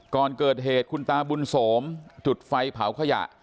ก่อนเกิดเหตุคุณตาบุญโสมจุดไฟเผาขยะ